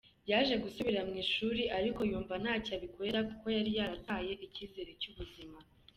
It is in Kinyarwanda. Yaje gusubira mu ishuri ariko yumva ntacyo abikorera kuko yari yarataye icyizere cy’ubuzima.